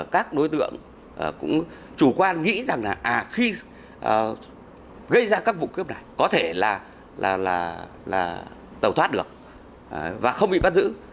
các đối tượng cũng chủ quan nghĩ rằng là khi gây ra các vụ cướp này có thể là tàu thoát được và không bị bắt giữ